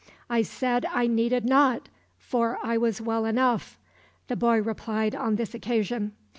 "I said I needed not, for I was well enough," the boy replied on this occasion.